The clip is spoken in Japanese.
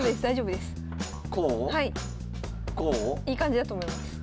いい感じだと思います。